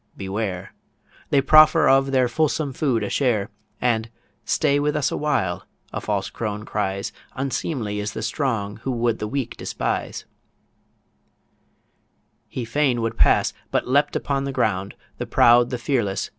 beware! They proffer of their fulsome food a share, And, 'Stay with us a while,' a false crone cries 'Unseemly is the strong who would the weak despise' He fain would pass, but leapt upon the ground, The proud, the fearless!